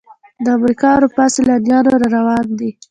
د امریکا او اروپا سیلانیان را روان دي.